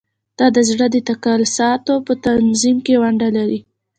دا د زړه د تقلصاتو په تنظیم کې ونډه لري.